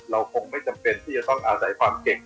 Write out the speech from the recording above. เราคงไม่จำเป็นที่จะต้องอาศัยความเก่ง